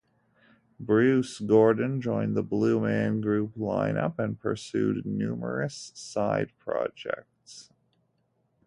Bruce Gordon joined the Blue Man Group lineup and pursued numerous side projects.